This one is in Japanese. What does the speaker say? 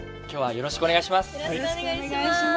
よろしくお願いします。